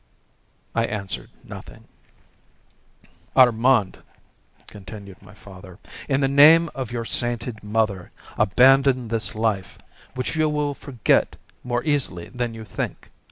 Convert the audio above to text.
I answered nothing. "Armand," continued my father, "in the name of your sainted mother, abandon this life, which you will forget more easily than you think.